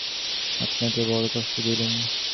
আপনাকে বড়ো কষ্ট দিলুম।